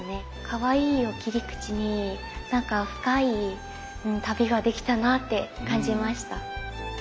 「かわいい」を切り口に何か深い旅ができたなって感じました。